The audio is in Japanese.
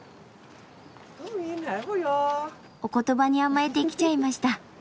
お言葉に甘えて来ちゃいました。